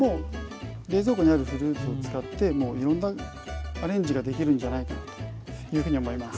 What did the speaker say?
冷蔵庫にあるフルーツを使っていろんなアレンジができるんじゃないかなというふうに思います。